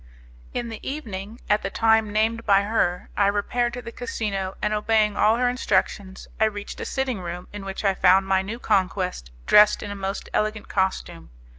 In the evening, at the time named by her, I repaired to the casino, and obeying all her instructions I reached a sitting room in which I found my new conquest dressed in a most elegant costume.